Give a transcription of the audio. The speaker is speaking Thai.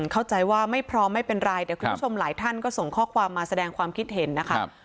เข้าใจว่าไม่พร้อมไม่เป็นไรเดี๋ยวคุณผู้ชมหลายท่านก็ส่งข้อความมาแสดงความคิดเห็นนะคะ